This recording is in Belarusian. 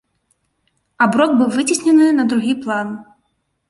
Аброк быў выцеснены на другі план.